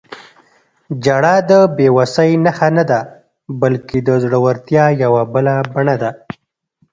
• ژړا د بې وسۍ نښه نه ده، بلکې د زړورتیا یوه بله بڼه ده.